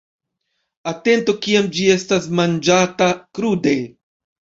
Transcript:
Atentu kiam ĝi estas manĝata krude.